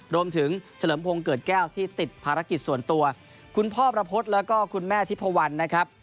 เฉลิมพงศ์เกิดแก้วที่ติดภารกิจส่วนตัวคุณพ่อประพฤติแล้วก็คุณแม่ทิพวันนะครับ